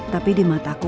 tapi di mataku